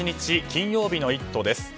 金曜日の「イット！」です。